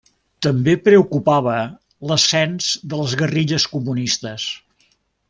També preocupava l'ascens de les guerrilles comunistes.